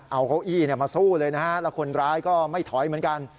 เอาเก้าอี้มาสู้เลยนะฮะแล้วคนร้ายก็ไม่ถอยเหมือนกัน